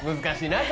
難しい。